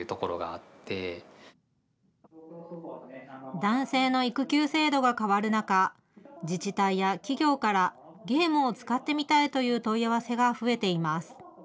男性の育休制度が変わる中、自治体や企業からゲームを使ってみたいという問い合わせが増えています。